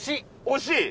惜しい？